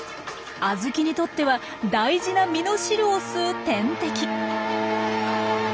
アズキにとっては大事な実の汁を吸う天敵。